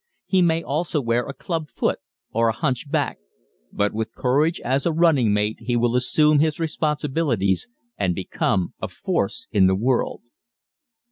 He may also wear a "clubfoot" or a "hunch back," but with courage as a running mate he will assume his responsibilities and become a force in the world.